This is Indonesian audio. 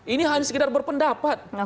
ini hanya sekedar berpendapat